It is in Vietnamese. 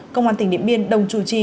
công an tỉnh điện biên đồng chủ trì